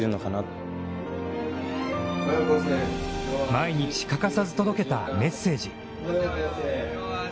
毎日欠かさず届けたメッセージ。